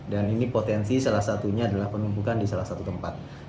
dan ini potensi salah satunya adalah penumpukan di salah satu tempat